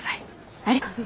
ありがとう。